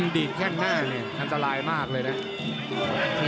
ดีกแค่งหน้าเนี่ยอันตรายมากเลยเนี่ย